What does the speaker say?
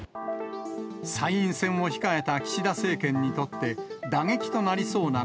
参院選を控えた岸田政権にとって、打撃となりそうな